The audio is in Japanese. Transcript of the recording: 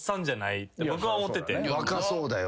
若そうだよ。